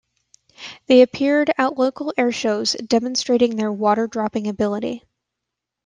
They appeared at local airshows, demonstrating their water-dropping ability.